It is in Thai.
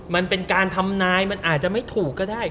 มันเป็นการทำนายมันอาจจะไม่ถูกก็ได้